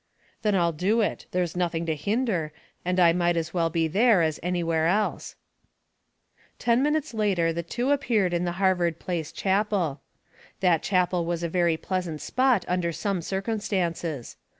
"Then I'll do it; there's nothing to hinder, and I might as well be there as anywhere else." Ten minutes later the two appeared in the Smoke and BewildermenU 09 Harvard Place Chapel. That chapel was a very pleasant spot under some circumstances.